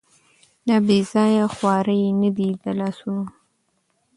دا بېځايه خوارۍ نه دي د لاسونو